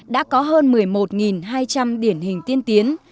đã có hơn một mươi một hai trăm linh điển hình tiên tiến